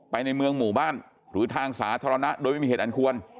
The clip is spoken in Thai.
ในเมืองหมู่บ้านหรือทางสาธารณะโดยไม่มีเหตุอันควร